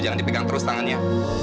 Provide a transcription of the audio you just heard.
jangan dipegang terus tangannya